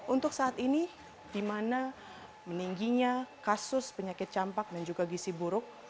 untuk saat ini di mana meningginya kasus penyakit campak dan juga gisi buruk